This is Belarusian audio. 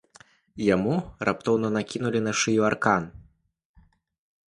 Яму раптоўна накінулі на шыю аркан.